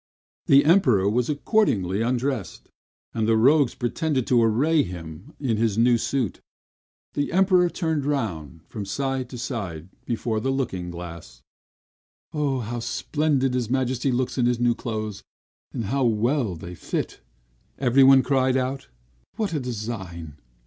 The Emperor was accordingly undressed, and the rogues pretended to array him in his new suit; the Emperor turning round, from side to side, before the looking glass. "How splendid his Majesty looks in his new clothes, and how well they fit!" everyone cried out. "What a design!